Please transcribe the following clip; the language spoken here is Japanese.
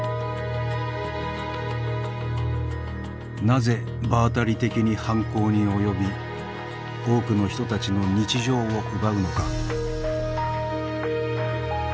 なぜ場当たり的に犯行に及び多くの人たちの日常を奪うのか。